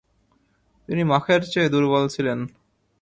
তিনি মাখের চেয়ে দুর্বল ছিলেন।